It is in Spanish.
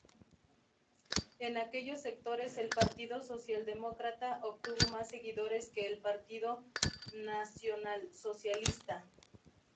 En aquellos sectores el Partido Socialdemócrata obtuvo más seguidores que el Partido Nacionalsocialista.